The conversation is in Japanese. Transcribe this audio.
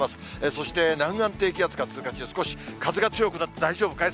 そして、南岸低気圧が通過中で、少し風が強くなって、大丈夫かい？